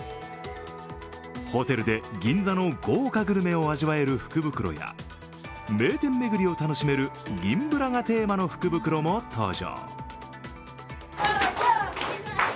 ホテルで銀座の豪華グルメを味わえる福袋や名店巡りを楽しめる銀ブラがテーマの福袋も登場。